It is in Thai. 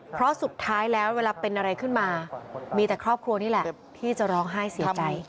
เพราะสุดท้ายแล้วเวลาเป็นอะไรขึ้นมามีแต่ครอบครัวนี่แหละที่จะร้องไห้เสียใจ